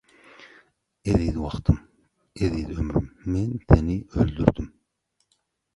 Eziz wagtym, eziz ömrüm, men seni öldürdim.